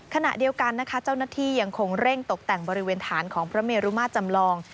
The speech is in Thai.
ขณะเดียวกันนะคะเจ้าหน้าที่ยังคงเร่งตกแต่งบริเวณฐานของพระเมรุมาตรจำลอง